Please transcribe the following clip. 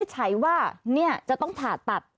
ชัยว่าเนี่ยจะต้องผ่าตัด